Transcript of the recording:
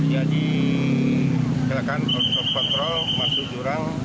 jadi silakan proses kontrol masuk jurang